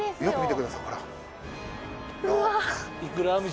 よく見てくださいほら。